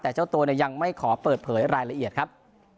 แต่เจ้าตัวยังไม่ขอเปิดเผยรายละเอียดครับ